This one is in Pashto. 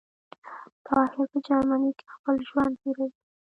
طاهر په جرمنی کي خپل ژوند تیروی